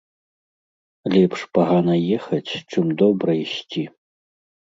Лепш пагана ехаць, чым добра ісці